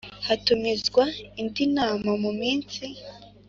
hatumizwa indi nama mu minsi